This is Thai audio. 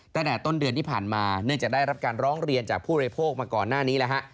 ตั้งแต่ต้นเดือนที่ผ่านมาเนื่องจากได้รับการร้องเรียนจากผู้บริโภคมาก่อนหน้านี้แล้วฮะ